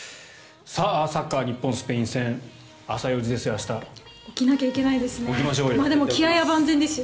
サッカー日本スペイン戦朝４時ですよ。